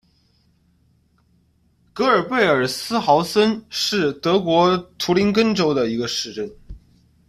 格尔贝尔斯豪森是德国图林根州的一个市镇。